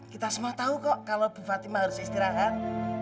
kita semua tahu kok kalau ibu fatimah harus istirahat